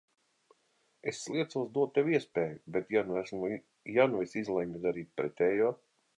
Es sliecos dot tev iespēju, bet ja nu es izlemju darīt pretējo?